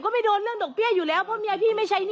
ไม่เป็นไร